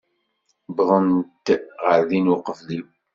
Wwḍent ɣer din uqbel-iw.